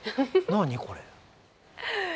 何これ？